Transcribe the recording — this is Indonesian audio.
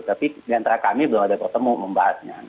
tapi diantara kami belum ada pertemu membahasnya